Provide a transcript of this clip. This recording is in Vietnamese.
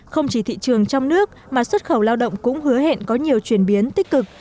không chỉ thị trường trong nước mà xuất khẩu lao động cũng hứa hẹn có nhiều chuyển biến tích cực